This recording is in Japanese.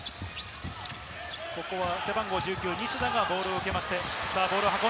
ここは背番号１９・西田がボールを受けました。